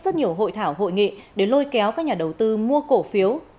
rất nhiều hội thảo hội nghị để lôi kéo các nhà đầu tư mua cổ phiếu